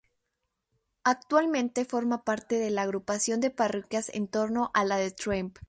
Actualmente forma parte de la agrupación de parroquias en torno a la de Tremp.